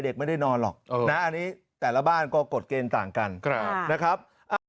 เด็กไม่ได้นอนหรอกแต่ละบ้านก็กฎเกณฑ์ต่างกันนะครับ